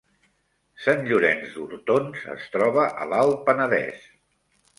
Sant Llorenç d’Hortons es troba a l’Alt Penedès